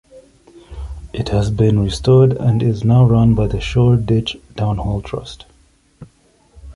It has been restored and is now run by the Shoreditch Town Hall Trust.